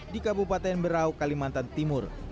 di kabupaten berau kalimantan timur